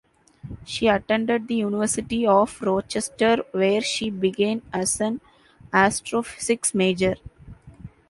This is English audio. She attended the University of Rochester, where she began as an astrophysics major.